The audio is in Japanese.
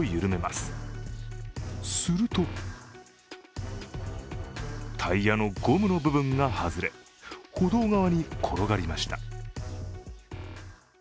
するとタイヤのゴムの部分が外れ、歩道側に転がりました。